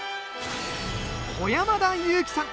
小山田祐輝さん。